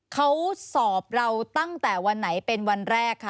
เขาสอบเราตั้งแต่วันไหนเป็นวันแรกคะ